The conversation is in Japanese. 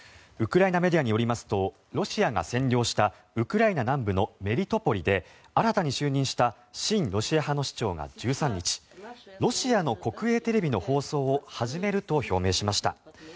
ウクライナメディアによりますとロシアが占領したウクライナ南部のメリトポリで新たに就任した親ロシア派の市長が１３日ロシアの国営テレビの放送を始めると表明しました。